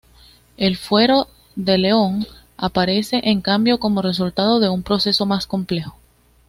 El Fuero de León aparece en cambio como resultado de un proceso más complejo.